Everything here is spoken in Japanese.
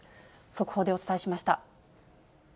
速報でお伝えしました。